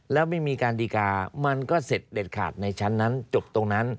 แล้วไม่มีการดีการ์มันก็เสร็จเด็ดขาดในชั้นนั้นจบตรงนั้น